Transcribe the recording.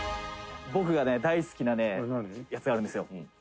「僕がね大好きなねやつがあるんですよ」